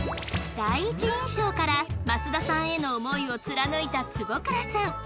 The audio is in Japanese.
第一印象から益田さんへの思いを貫いた坪倉さん